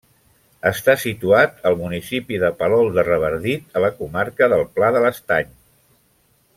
Està situat al municipi de Palol de Revardit a la comarca del Pla de l'Estany.